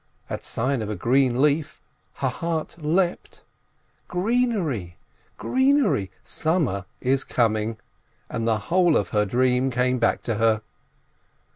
At sight of a green leaf, her heart leapt. Greenery! greenery! summer is coming! And the whole of her dream came back to her